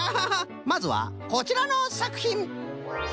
まずはこちらのさくひん！